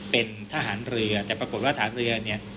เป็นทหารเรือแต่ปรากฏว่าฐานเรือเนี่ย